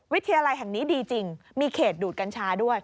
อะไรแห่งนี้ดีจริงมีเขตดูดกัญชาด้วย